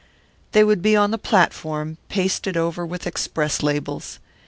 They would be on the platform, pasted over with express labels.